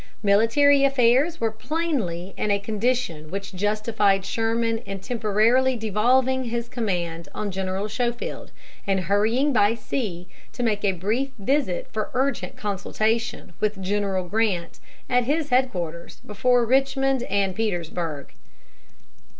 Military affairs were plainly in a condition which justified Sherman in temporarily devolving his command on General Schofield and hurrying by sea to make a brief visit for urgent consultation with General Grant at his headquarters before Richmond and Petersburg.